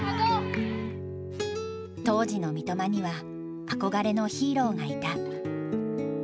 当時の三笘には憧れのヒーローがいた。